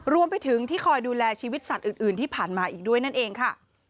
รวมไปถึงที่คอยดูแลชีวิตสัตว์อื่นที่ผ่านมาอีกด้วยนั่นเองค่ะ